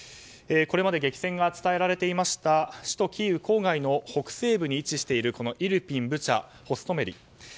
これまで激戦が伝えられていた首都キーウ郊外の北西部に位置しているイルピン、ブチャ、ホストメリ。